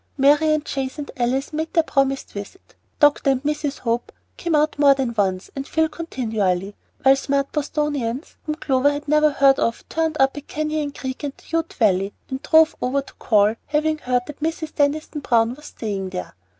Marian Chase and Alice made their promised visit; Dr. and Mrs. Hope came out more than once, and Phil continually; while smart Bostonians whom Clover had never heard of turned up at Canyon Creek and the Ute Valley and drove over to call, having heard that Mrs. Deniston Browne was staying there.